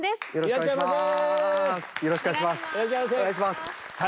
よろしくお願いします。